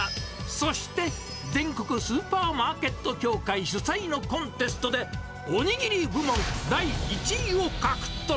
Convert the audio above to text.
そして、全国スーパーマーケット協会主催のコンテストで、おにぎり部門第１位を獲得。